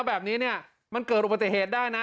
แบบนี้เนี่ยมันเกิดอุบัติเหตุได้นะ